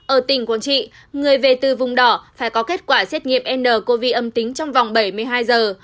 ở tỉnh quảng trị người về từ vùng đỏ phải có kết quả xét nghiệm ncov âm tính trong vòng bảy mươi hai giờ